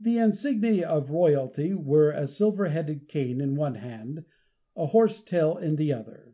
The insignia of royalty were a silver headed cane in one hand, a horse tail in the other.